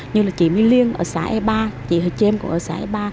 như là chị my liên ở xã e ba chị hồ chêm cũng ở xã e ba